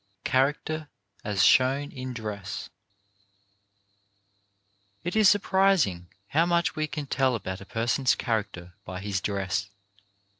CHARACTER AS SHOWN IN DRESS It is surprising how much we can tell about a person's character by his dress.